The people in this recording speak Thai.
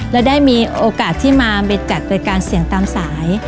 และได้มีโอกาสที่มาไปจัดรายการเสียงตามสาย